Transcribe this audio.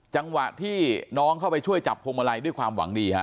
จังหวะที่น้องเข้าไปช่วยจับพวงมาลัยด้วยความหวังดีฮะ